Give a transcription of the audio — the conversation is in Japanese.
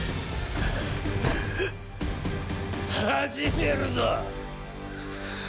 始めるぞ。